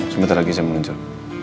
sebentar lagi saya muncul